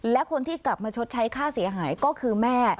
และคนที่กลับมาชดใช้ค่าเสียหายก็คือแม่